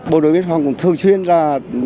bộ đội biên phòng cũng thường chuyên là